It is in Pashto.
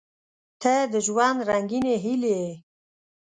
• ته د ژوند رنګینې هیلې یې.